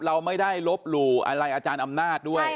เราไม่ได้ลบหลู่อะไรอาจารย์อำนาจด้วย